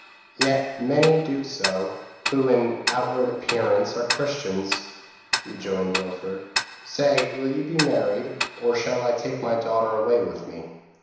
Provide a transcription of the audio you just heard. p> "'Yet many do so, who in outward appearance are Christians,' rejoined Wilfred; 'say, will you be married, or shall I take my daughter away with me?'